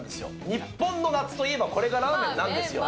日本の夏といえば、これがラーメンなんですよ。